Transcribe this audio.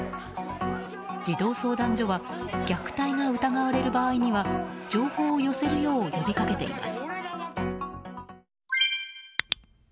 児童相談所は虐待が疑われる場合には情報を寄せるよう呼びかけています。